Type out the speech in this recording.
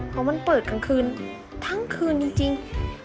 เพราะมันเปิดกลางคืนทั้งคืนจริง